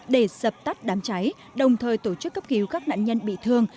để dập tắt đám cháy đồng thời tổ chức cấp cứu các nạn nhân bị thương